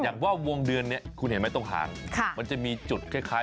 อย่างว่าวงเดือนนี้คุณเห็นไหมตรงห่างมันจะมีจุดคล้าย